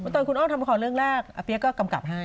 ตอนคุณอ้อมทำละครเรื่องแรกอาเปี๊ยกก็กำกับให้